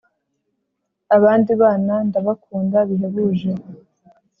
Abandi bana ndabakunda bihebuje